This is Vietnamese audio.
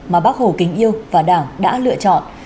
mà bác hồ kính yêu và đảng đã lựa chọn